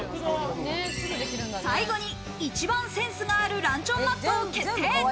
最後に一番センスがあるランチョンマットを決定。